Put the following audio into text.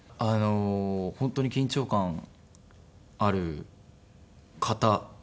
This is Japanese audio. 本当に緊張感ある方です。